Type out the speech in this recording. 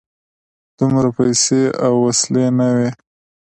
دومره پیسې او وسلې نه وې.